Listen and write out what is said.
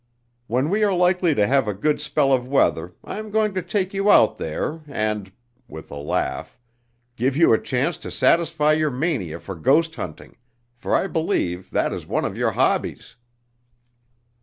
When we are likely to have a good spell of weather I am going to take you out there and" (with a laugh) "give you a chance to satisfy your mania for ghost hunting, for I believe that is one of your hobbies."